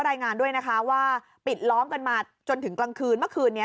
รายงานด้วยนะคะว่าปิดล้อมกันมาจนถึงกลางคืนเมื่อคืนนี้